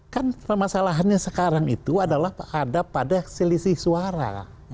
kan permasalahannya sekarang itu adalah ada pada selisih suara